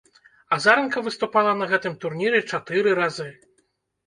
Азаранка выступала на гэтым турніры чатыры разы.